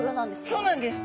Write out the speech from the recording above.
そうなんです。